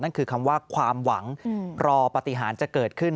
คือคำว่าความหวังรอปฏิหารจะเกิดขึ้น